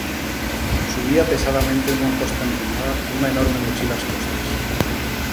Subía pesadamente unha costa empinada cunha enorme mochila ás costas.